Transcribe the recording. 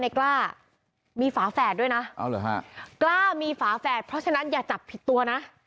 กล้ามีฝาแฝดด้วยนะกล้ามีฝาแฝดเพราะฉะนั้นอย่าจับผิดตัวนะ